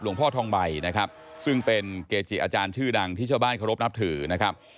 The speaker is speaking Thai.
พ่อทองใบนะครับซึ่งเป็นเกจิอาจารย์ชื่อดังที่ชาวบ้านเคารพนับถือนะครับ